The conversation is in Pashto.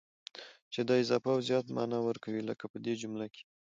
چي د اضافه او زيات مانا ور کوي، لکه په دې جملو کي: